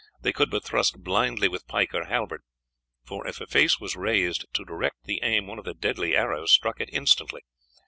They could but thrust blindly with pike or halbert, for if a face was raised to direct the aim one of the deadly arrows struck it instantly.